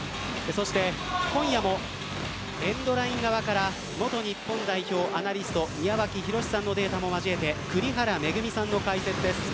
そして、今夜もエンドライン側から元日本代表アナリスト宮脇裕史さんのデータも交えて栗原恵さんの解説です。